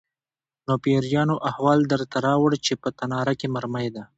_نو پېريانو احوال درته راووړ چې په تناره کې مرمۍ ده؟